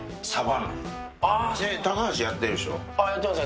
やってます